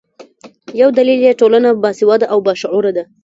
یو دلیل یې ټولنه باسواده او باشعوره ده.